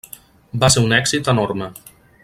Va ser un èxit enorme.